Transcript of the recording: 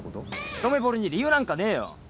一目ぼれに理由なんかねえよ。